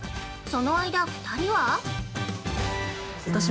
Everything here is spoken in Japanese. その間２人は◆